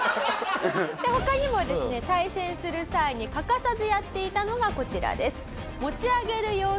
他にもですね対戦する際に欠かさずやっていたのがこちらです。